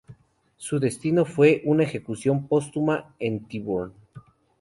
Su destino fue una ejecución póstuma en Tyburn.